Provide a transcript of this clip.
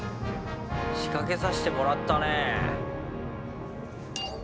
仕掛けさせてもらったねぇ。